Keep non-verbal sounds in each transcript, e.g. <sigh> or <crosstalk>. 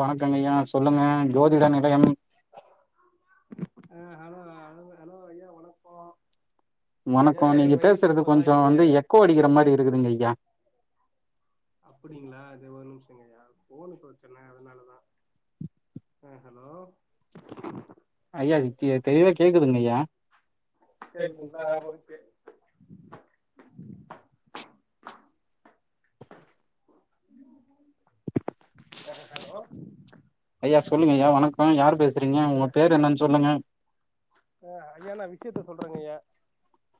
வணக்கங்க ஐயா சொல்லுங்க ஜோதிட நிலையம் அ ஹலோ ஹலோ ஹலோ ஐயா வணக்கோ ஐயா வணக்கோ எனக்கு நீங்க வயசு பேசுறது கொஞ்சோ முப்பதாகுது வந்து எக்கோ அடிக்கிற மாரி இருக்குதுங்க ஐயா அப்படிங்களா அது ஒரு நிமிஷங்க ஐயா ஃபோன் பிரச்சன அதனாலதா ஆ ஹலோ ஐயா தெ தெளிவா கேக்குதுங்க ஐயா கேக்குதுங்களா ஓகே <inaudible> ஆ ஹலோ ஐயா சொல்லுங்க ஐயா வணக்கோ யார் பேசுறீங்க உங்க பேரு என்னன்னு சொல்லுங்க ஆ ஐயா நா விஷயத்த சொல்றேங்க ஐயா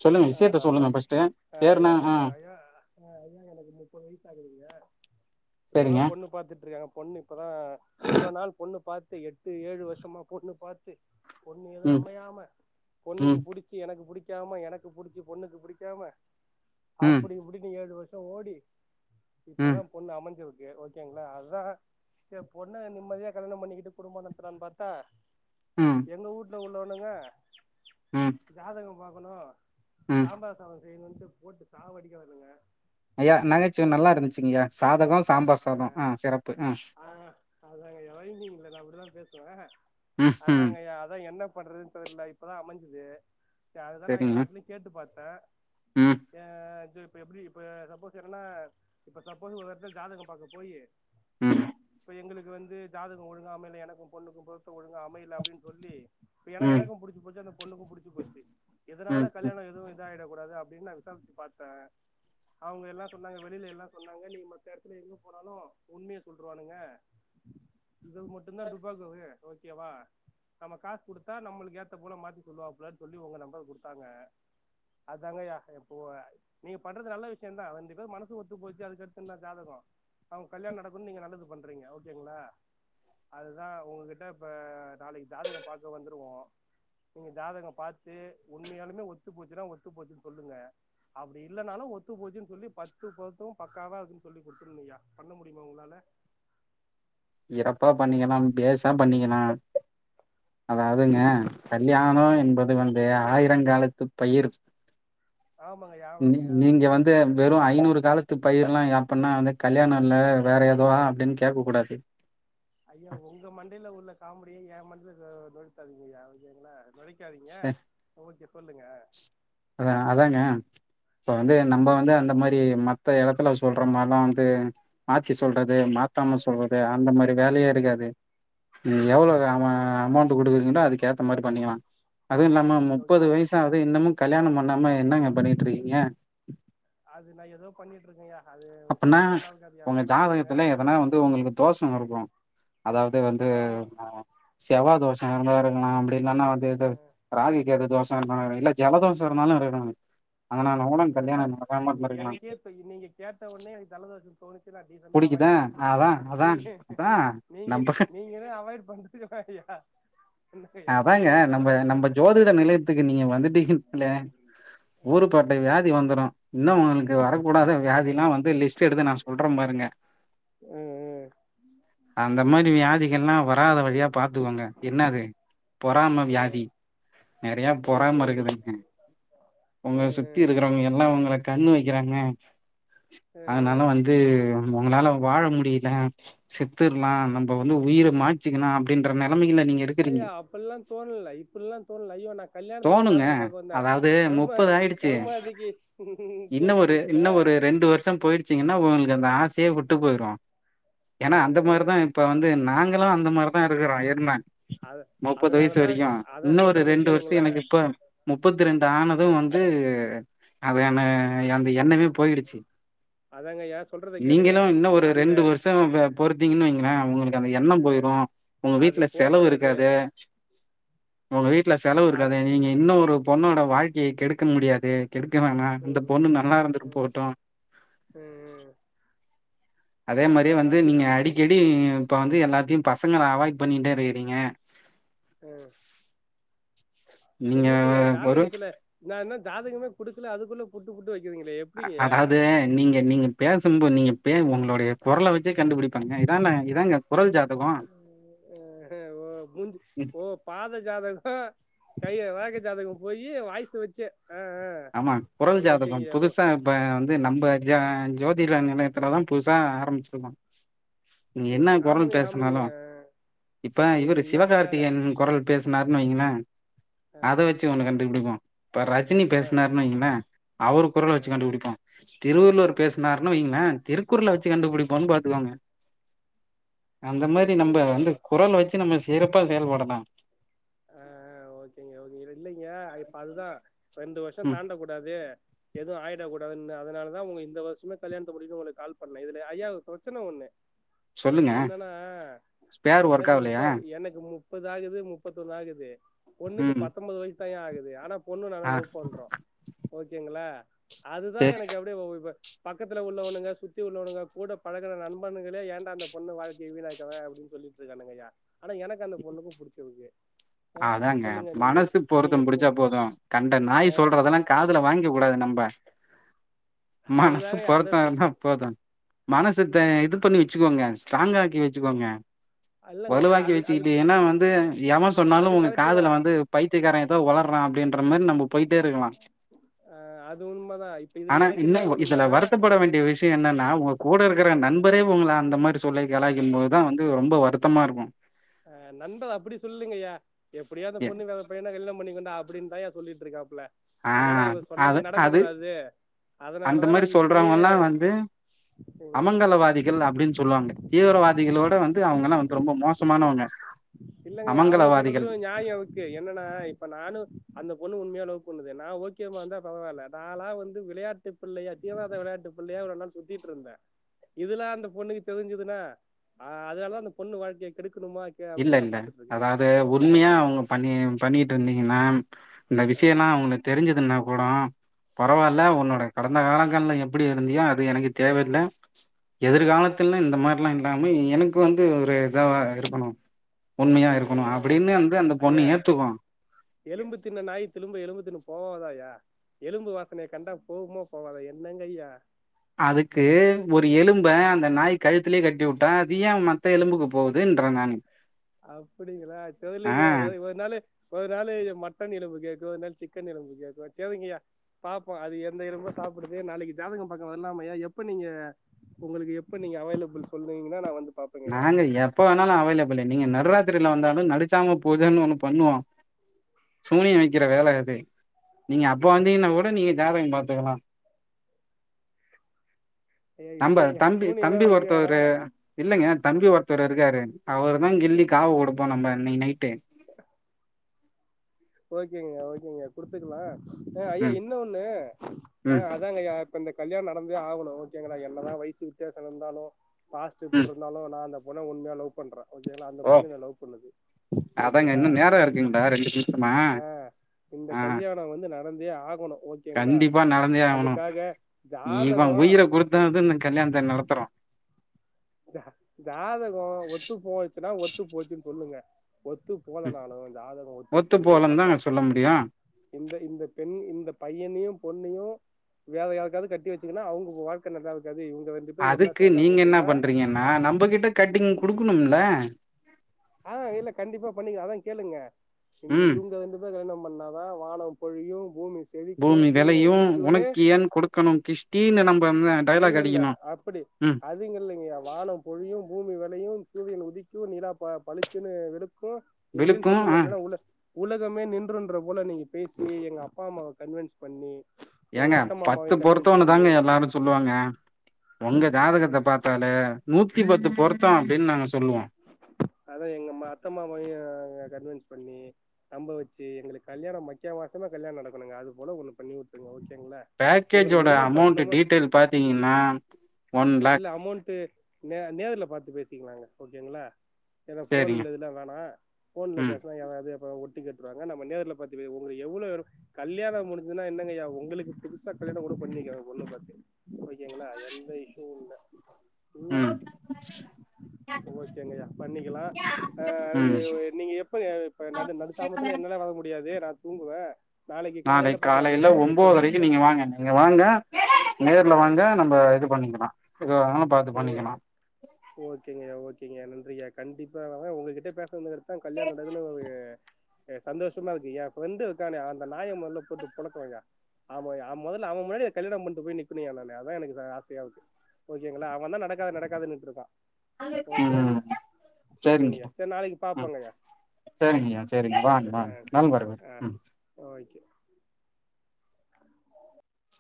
சொல்லுங்க ஆ விஷயத்த ஹலோ சொல்லுங்க ஃபர்ஸ்ட்டு ஆ பேருனா என ஆ ஐயா ஆ ஐயா எனக்கு முப்பது வயசு ஆகுதுங்கய்யா இப்பதா சரிங்க பொண்ணு பாத்துட்டு இருக்காங்க பொண்ணு அப்பதா இத்தன்நாள் பொண்ணு பாத்து எட்டு ஏழு வருஷமா பொண்ணு பாத்து பொண்ணு எதுவு ம் அமையாம பொண்ணுக்கு ம் புடிச்சு எனக்கு புடிக்காம எனக்கு புடிச்சு பொண்ணுக்கு புடிக்காம ம் அப்பிடி இப்பிடின்னு ஏழு வருஷம் ஓடி ம் இப்பதா பொண்ணு அமஞ்சிருக்கு ஓகேங்களா அதுதா செரி பொண்ண நிம்மதியா கல்யாணம் பண்ணிக்கிட்டு குடும்பம் நடத்தலான்னு பாத்தா ம் எங்க வூட்ல உள்ளவனுங்க ம் ஜாதக பாக்கணு ம் சாம்பார் சாதோ செய்யணுட்டு போட்டு சாவடிக்கிறானுங்க ஐயா நகைச்சுவை நல்லா இருந்துச்சுங்க ஐயா சாதகம் சாம்பார் சாதோ ஆ சிறப்பு ஆ ஆ அதாங்க ஐயா ரைமிங்ல நா அப்டிதா பேசுவே ம் ம் அதாங்கய்யா அதா என்ன பண்றது தெரில இப்பதா அமஞ்சிது சேரி அதுதா நா சரிங்க எல்லா எடத்துலயு கேட்டு பாத்த ம் ஏ இது இப்ப எப்டி இப்ப சப்போஸ் என்னன்னா இப்ப சப்போஸ் ஒரு எடத்துல ஜாதகம் பாக்க போயி ம் இப்ப எங்களுக்கு வந்து ஜாதகோ ஒழுங்கா அமையல எனக்கு பொண்ணுக்கு பொருத்தோ ஒழுங்கா அமையல அப்டின்னு சொல்லி இப்ப ஏன்னா ம் எனக்கு புடிச்சு போச்சு அந்த பொண்ணுக்கு புடிச்சு போச்சு ம் எதனால ம் கல்யாணோ எதுவு இதாயிடக் கூடாது அப்டின்னு நா விசாரிச்சு பாத்த அவங்க எல்லா சொன்னாங்க வெளில எல்லா சொன்னாங்க நீ மத்த எடத்துல எங்க போனாலு உண்மைய சொல்ருவானுங்க இதுகு மட்டுந்தா டுபாக்கூரு ஓகேவா நம்ம காசு குடுத்தா நம்மளுக்கு ஏத்த பொண்ண மாத்தி சொல்லுவாப்புலன்னு சொல்லி உங்க நம்பர குடுத்தாங்க அதாங்கய்யா எப்போவ நீங்க பண்றது நல்ல விஷயோ தா ரெண்டு பேர் மனசு ஒத்து போச்சு அதுக்கடுத்து என்ன ஜாதகோ அவங்க கல்யாண நடக் குன் நீங்க நல்லது பண்றீங்க ஓகேங்களா அதுதா உங்ககிட்ட இப்ப நாளைக்கு ஜாதகோ பாக்க வந்துருவோ நீங்க ஜாதகோ பாத்து உண்மையாலுமே ஒத்து போச்சுன்னா ஒத்து போச்சுன்னு சொல்லுங்க அப்டி இல்லன்னாலு ஒத்து போச்சுன்னு சொல்லி பத்து பொறுத்து பக்காவா இருக்குன்னு சொல்லி குடுத்துருங்கய்யா பண்ண முடியுமா உங்களால இல்ல சிறப்பா பண்ணிக்கலா பேஷா பண்ணிக்கலா அதாவதுங்க கல்யாணோ ஆ என்பது வந்து ஆயிரங்காலத்துப் பயிர் ஆமாங்கய்யா நீ ஆமாங்கய்யா நீங்க வந் து வெறு ஐநூறு காலத்து பயிரலா அப்பன்னா வந்து கல்யாணோ இல்ல வேற எதுவா அப்டின் கேக்க கூடாது ஐயா உங்க மண்டைல உள்ள காமெடிய எ மண்டில நொழக்காதுங்கயா ஓகேங்களா நொழைக் க்காதீங்க ஓகே சொல்லுங்க அதா அதாங்க இப்ப ஓ வந்து நம்ப வந்து அந்த மாரி மத்த எடத்துல சொல்ற மார்லா வந்து மாத்தி ஓ சொல்றது மாத்தாம சொல்றது அந்த மாரி வேலயே ஆ இருக்காது நீங்க எவ்ளோ ஓகே ஓகே வேகமா அமௌண்ட் குடுக்குறீங்களோ அதுக்கு ஏத்த மாரி பண்ணிக்கலா அதுவு இல்லாம ஓகே ஓகே முப்பது ஆ வயசாவுது இன்னமு கல்யாணோ பண்ணாம என்னங்க பண்ணீட்டு இருக்கீங்க அது நா எதோ பண்ணீட்ருக்க யா அப்பன்னா உங்க ஜாதகத்துல எதனா வந்து உங்களுக்கு தோஷோ இருக்கு அதாவ் து வந்து ஆமா செவ்வா தோஷோ இருந்தா இருக்கலா அப்படி இல்லன்னா வந்து இது ஆ ராகு கேது தோஷ இருக்கலா இல்ல ஜலதோசோ இருந்தாலு இருக்கலாங்க அதனால கூட கல்யாணோ நடக்காம இருந்துருக்கலா இப்ப நீங்க கேட்ட உன்னே ஜலதோஷோ தோணிச்சுன்னா டீசன்ட்டா புடிக்குதா அவாய்ட் பண்ணிப்பியாட் அதா அதா நீங்க அதா நீங்க நம்ப நீங்கதா அவாய்ட் பண்றதுக்கு தா யா அதாங்க நம்ப நம்ப ஜோதிட நிலையத்துக்கு நீங்க வந்துட்டீங்க ல்லே ஊரு பட் ட்ட வியாதி வந்துரு இன்னு உங்களுக்கு வரக்கூடாத வியாதிலா வந்து லிஸ்ட் எடுத்து நா சொல்ற பாருங்க ம் ம் அந்த மாரி வியாதிகல்லா வராத வழியா பாத்துக்கோங்க என்ன அது பொறாம வியாதி நெறைய ஓகே பொறாம ஓகே இருக்குதுக உங்கள சுத் தி இருக்கறவங்க எல்லா உங்கள கண்ணு வெக்கறாங்க அதனால வந்து உங்களால வாழ முடில செத்துர்லா நம்ப வந்து உயிர மாச்சிக்கலா அப்டின் ற நெலமையில நீங்க இருக்கிறீங்க ஐயா அப்பல்லா தோணல இப்பல்லா தோணல ஐயோ நா கல்யாணத்துக்குதா தோணுங்க ஜாதக பாக்க வந்த அதாவது கருமா முப்பது ஆயிடுச்சு கருமாதிக்கு இன்னு தேதி ஒரு குறிக்க இன்னு ஒரு ரெண்டு வருஷோ போயிருச்சீங்கனா உங்களுக்கு அந்த ஆசையே உட்டு போயிரு ஆ, ஆ. ஏன்னா அந்த மாரிதா இப்ப வந்து நாங்களு அந்த மாரிதா இருக்றோ இருந்தே அத முப்பது வயசு அதனாலதான் வரைக்கு அதான் இன்னு ஒரு சொல்றதை ரெண்டு வருஷோ கேளுங்களேன் எனக்கு இப்ப முப்பத்தி ரெண்டு ஆனது வந்து அதான அந்த எண்ணமே போயிருச்சி அதாங்க ஐயா சொல்றதை கேளுங்க நீங்களு இன்னு ஒரு அந்த ரெண்டு வருஷோ வ பொறுத்தீங்கன் வைங்களே உங்கள்களுக்கு அந்த எண்ணோ போயிறு உங்க அது வீட்ல செலவு போகக்கூடாது இருக்காது உங்க வீட்ல செலவு அது இருக்காது நீங்க இன்னொரு பொண்ணோட வாழ்க்கைய கெடுக்க முடியாது கெடுக்க வேனா அந்த பொண்ணு நல்லா இருந்துட் போகட்டு சேரி அதே மாரி வந்து அதுக்கு நீங்க அ அடிக்கடி இப்ப வந்து எல்லாத்தையு பசங்கள அவாய்ட் பண்ணிட்டே இருக்றீங்க ம் நீங்க என்னங்கையா ஒரு ஜாதகத்துல நா இன்னு ஜாதகமே குடுக்கல அதுக்குள்ள புட்டு புட்டு வக்கிறீங்களே எப் அ அதாவது நீங்க நீங்க பேசும்போத் நீங்க உங்களோடைய கொரல வச்சே கண்டுபுடிப்பேங்க இதாங்க இதாங்க குரல் ஜாத ஹ ஹ ஓ பூந் ம் ஓப் பாத ஜாதக கைய ரேக ஜாதக போய் வாய்ஸ வச்சே ஆ ஆ ஆமாங்க கொரல் ஜாதகம் ஓகேங்கய்யா புதுசா இப்ப வந்து நம்ம ஜ ஜோதில நிலையத்துலதா புதுசா ஆரம்பிச்சிருக்கோ நீ என்ன ஓகே கொரல் ஆமாங்கய்யா பேசுனாலு ஆமாங்கய்யா இப்ப இவர்ரு அதுக்கு இன்னாங்கய்யா சிவகார்த்திகேயன் கொரல் பேசினாருன் வைங்களே ஆ அத வச்சு ஒன்னு கண்டுபிடிப்போ இப்ப ரஜினி ஆ பேசு ன வைங்களே அவரு ஆ கொரல வச்சி கண்டுபுடிப்போ திருவள்ளுவர் பேசுனார்னு வைங்களே திருக்குறல வச்சு கண்டுபுடிப்போன் பாத்துக்கோங்க அந்த மாரி நம்ப ஓகேங்கய்யா வந்து குரல வச்சு நம்ம சிறப்பா செயல்படலா ஆ ஓகேங்க ஓகே இல்லைங்க இப்ப அதுதா ரெண்டு வருஷோ ம் தாண்ட கூடாது எதுவு ஆயிட கூடாதுன் அதனாலதா உங்க இந்த வருஷமே கல்யாணத்த முடிக்கனு உனக்கு கால் பண்ணே இதுல ஐயா ஒரு பிரெச்சன ஒண்ணு சொல்லுங்க என்னன்னா ஸ்பேர் ஒர்க் எனக்கு முப்ப ஆவலையா எனக்கு முப் முப்பது ஆகுது முப்பத்தொன்னு ஆகுது பொண்ணுக்கு ம் பத்தொன்பது வயசு தாயா ஆகுது ஆனா பொண்ணு நானு ஆ லவ் பண்றோ ஓகேங்களா அதுதா சேரி எனக்கு அப்டியே ஓ இப்ப பக்கத்துல உள்ளவனுங்க சுத்தி உள்ளவனுங்க கூட பழகுன நண்பன்களே ஏண்டா அந்த பொண்ணு வாழ்க்கைய வீணாக்காதே அப்டின் சொல்லிட் இருக்கானுங்கையா ஆனா எனக்கு அந்த பொண்ணுக்கு புடிச்சுருக்கு அதாங்க மனசு பொருத்தோ நீங்க புடிச்சா சொல்லுங்க போது கண்ட நாய் சொல்றதெல்லா காதுல வாங்க கூடாது நம்ப மனசு அதுதாங்கய்யா அத பொருத்தம் சொ இருந்தா போது மனச தே இது பண்ணி வச்சுக்கோங்க ஸ்ட்ராங்கா ஆக்கி வச்சுக்கோங்க இல்லங்கய்யா வலுவாக்கி அது அதுக்கு வச்சுக்கிட்டீன்னா வந்து எவே சொ அது சொன்னாலு உங்க கரெக்ட் தா காதுல வந்து பைத்தியகாரே எதோ ஒளர்றா அப்டின்ற மாரி நம்ப போய்ட்டே இருக்கலா ஆ அது உண்மதா இப்ப இதுல எனக்கு என்ன ஒண்ணுன்னா ப்பட வேண்டிய விஷ்ய என்னன்னா உங்க கூட இருக்கற அ நண்பரே உங்கள அந்த மாரி சொல்லி கலாய்க்குபோதுதா வந்து ரொம்ப வருத் தமா இருக்கு ஆ நண்பர் அப்டி சொல்லுங்கையா எப்டியோ அந்த எ பொண்ணு வேதப் பையன கல்யாண பண்ணிக்கோண்டா அப்டின்தாயா சொல்லிட் இருக்காப்ல ஆ அதனால அவ சொன்னது அது நடக்க அது கூடாது அந்த அதனாலதா நா மாரி இப்பயே சொல்றவங்கல்லா வந்து ம் அமங்கலவாதிகள் அப்டின் சொல்லுவாங்க தீவிரவாதிகளோட வந்து அவுங்கல்லா வந்து ரொம்ப மோசமானவுங்க இல்லங்கையா அவுங்க சொல்றதிலு ஒரு நியாயோ வுக்கு என்னன்னா இப்ப நானு அந்த பொண்ணு உண்மையா லவ் பண்ணுது நா ஓகேமாந்தா பரவால்ல நால்லா வந்து விளையாட்டு பிள்ளையா தீராத விளையாட்டு பிள்ளையா ஒரு நாள் சுத்திட்டுருந்தே இதுல்லா அந்த பொண்ணுக்கு தெரிஞ்சதுன்னா அதலாத அந்த பொண்ணு வாழ்க்கைய கெடுக்கணுமா த அப்டின்னு பாத்துட்டு <unintelligible> இருக்கேங்க ஐயா அதாது ஒ உண்மையா அவங்க பண்ணி பண்ணிட்டு இருந்தீங்கன்னா இந்த ஆ விஷயல்லா அவங்களுக்கு தெரிஞ்சதுன்னா கூடோ ஆ பரவாயில்ல உன்னோட கடந்த காலங்கள்ல எப்டி இருந்தியோ அது எனக்கு தேவயில்ல ஆ எதிர்காலத்துல்ல இந்த மாரில்லா இல்லாம எனக்கு வந்து ஒரு இதா இருக்கணு ஆ உண்மையா இருக்கணு அப்டின்னு வந்து அந்த பொண்ணு ஐயா ஏத்துக்கணு எலும்பு தின்ன நாய் திலும்ப எலும்பு தின்ன போகாதாயா எலும்பு வாசனய கண்டா போகுமா போவாத என்னங்கய்யா அதுக்கு ஒரு எலும்ப அந்த நாய் கழுத்தலே கட்டி விட்டா அது ஏ மத்த எலும்புக்கு போகுதுன்ற நானு அப்டிங்களா ஆ தெர்லயே அதாவது ஒரு நாளு ஒரு நாளு மட்டன் எலும்பு கேட்கு ஒரு நாள் சிக்கன் எலும்பு கேட்கு சேரிங்கய்யா பாப்போ அது எந்த எலும்ப சாப்டுது நாளைக்கி ஜாதகம் பாக்க வர்லாமாயா எப்ப நீங்க உங்ளுக்கு எப்ப நீங்க அவேலபுள் சொல்றீங்களோ நா வந்து பாப் நாங்க எப்ப வேணாலு அவேலபிளு நீங்க நடுராத்திரில வந்தாலு நடுச்சாம பூஜனு ஒண்ணு பண்ணுவோ சூனிய வக்கிற வேல அது நீங்க அப்ப வந்தீங்கன்னா கூட நீங்க ஜாதகம் பாத்துக்கலா ஐயா நம்ப இல்லேங்க சூனியல்லா வைக்க வேணா இல்லங்க தம்பி ஒருத்தரு இருக்காரு அவர் தா கில்லி காவு குடுப்போ நம்ம இன்னைகி நைட்டு ஓகேங்க ஓகேங்க குடுத்துக்கலா அ ஐயா ம் இன்ன ஒண்ணு அ ம் அதாங்க ஐயா இப்ப இந்த கல்யாண நடந்தே ஆகணு ஓகேங்களா என்னதா வயசு வித்தியாச இருந்தாலு பாஸ்டு எப்டி ம் இருந்தாலு நா அந்த பொண்ண உண்மையா லவ் பண்ற ஓகேங்களா அந்த ஓ பொண்ணு என்ன லவ் பண்ணுது அதாங்க ஓகேங்களா இன்னு நேரோ இந்த இருக்குங்களா ரெண்டு பேத்துக்கு நா ஆ இந்த கல்யாண வந்து நடந்தே ஆகணு ஓ கண்டிப்பா நடந்தே ஆவுணு இவ ஜாதகோ உயிர குடுத்தாது இந்த கல்யாணத்த நடத்துறோ ஜா ஜாதகோ ஒத்து போச்சுன்னா ஒத்து போச்சுன்னு சொல்லுங்க ஒத்து போலனாலு ஜாதகோ ஒத்து போகுது போலன்னு தாங்க பக்காக் சொல்ல முடியு இந்த இந்த பெண் இந்த பையனையு பொண்ணையு வேற யாருக்காவது கட்டி வச்சிங்கன்னா அவுங்க வாழ்க்க நல்லா இருக்காது இவுங்க வந் அதுக்கு நீங்க என்ன பண்றீங்கன்னா நம்மகிட்ட கட்டிங் குடுக்கணும்ல ஆ இல்ல கண்டிப்பா பண்ணிக்லா அதா கேளுங்க இந்த ம் இவுங்க வந்து இவ கல்யாண பண்ணா தா வானம் பொழியு பூமி செழிக்கு பூமி சூரிய விலையு உதிக்கிம்னு உனக்கு ஏன் கொடுக்கணு கிஷ்டின்னு நம்ம வந்து டைலாக் இல்லல்ல அடிக்கணு அப்டி ம் அ இல்லைங்க் இல்லைங்கய்யா வானம் பொழியு பூமி விளையு சூரியன் உதிக்கு நிலா ப பழிச்சுன்னு வெளுக்கு இப்டின்னு விழுக்கு சொல்லுங்க ஆ இல்லன்னா உள்ள உலகமே நின்றுன்ற போல நீங்க பேசி எங்க அப்பா அம்மாவ கன்வன்ஸ் ஏங்க பத்து கன்வின்ஸ் பொருத்தோன்னு பண்ணி தாங்க எல்லாரு சொல்லுவாங்க உங்க ம் ஜாதகத்த பாத்தாலே நூத்தி பத்து பொருத்தோ அப்டின்னு நாங்க சொல்லுவோ அதா எங்க மா அத்த மாமாவையு கன்வன்ஸ் பண்ணி நம்ப வச்சு எங்ளுக்கு கல்யாணம் மக்கியா மாசமே கல்யாணோ நடக்கணுங்க அது போல ஒண்ணு பண்ணிவுட்ருங்க ஓகேங்ளா பேக்கேஜோட அமௌண்ட்டு டீட்டெயில் பாத்தீங்கன்னா ஒன் இல்ல லாக் அமௌண்ட்டு நே நேர்ல பாத்து பேசிக்லாங்க ஓகேங்களா ஏனா சேரிங்க ஃபோன்ல இதெல்லா வேணா ஃபோன்ல ம் பேசுனா ஏதாது அப்றோ ஒட்டு கேட்டு ருவாங்க நம்ம நேர்ல பாத்து பே உங்களுக்கு எவ்ளவு கல்யாணோ முடிஞ்சுதுன்னா என்னங்கையா உங்ளுக்கு புதுசா கல்யாணோ கூட பண்ணி வைக்கிறே பொண்ணு பாத்து ஓக்கேங்ளா எந்த இஷ்யு இல்ல ம் ஓகேங்கையா பண்ணிக்கலா ஆ அதுக்கு ம் நீங்க எப்ப நடு நடு சாமத்துல என்னால வாங்க முடியாது நா தூங்குவே நாளைக்கு காலையில நாளைக் பாக்கலாமையா காலைல எட்டு மணிக்கு ஒம்போரைக்கு நீங்க வாங்க நீங்க வாங்க நேர்ல வாங்க நம்ப இது பண்ணிக்கலாம் எதுவானாலும் ஓ ஓகேங்க ஓகேங்க நன்றிங்க கண்டிப்பா வரே உங்ககிட்டே பேசனது வந்து ஆ கல்யாணோ நடக்கணு உங்களுக்கு அ சந்தோஷமா இருக்குயா ஏ ஃப்ரெண்ட் இருக்கானே அந்த நாய கூப்டு மொதல்ல போட்டு பொலக்கணுய்யா ஆமாய்யா மொதல்ல அவன் முன்னாடி நா கல்யாணோ பண்ட்டு போய் நிக்கனும்யா நானு அதா எனக்கு ஆசையா இருக்கு ஓகேங்களா அவந்தா நடக்காது நடக்காதுன்னுட்ருக்கா ம் ஓகேங்கய்யா செரிங்கய்யா செரி நாளிக்கு பாப்பங்கய்யா செரிங்கயா செரிங்க வாங்க வாங்க நல்வரவு ஆ ம் ஓகே